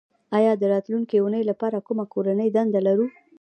ایا د راتلونکې اونۍ لپاره کومه کورنۍ دنده لرو